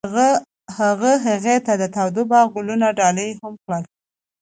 هغه هغې ته د تاوده باغ ګلان ډالۍ هم کړل.